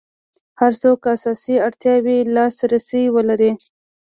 هر څوک اساسي اړتیاوو لاس رسي ولري.